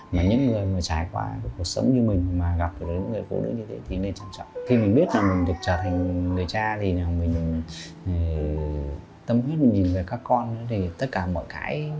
mình sẽ cố gắng thì mình phát triển được